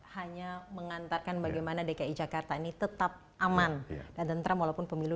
hanya mengantarkan bagaimana dki jakarta ini tetap aman dan tentram walaupun pemilu dua ribu dua puluh empat